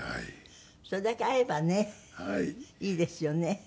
それだけ会えばねいいですよね。